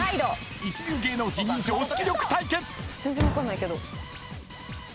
一流芸能人常識力対決。